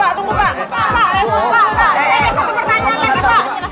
eh ada satu pertanyaan lagi pak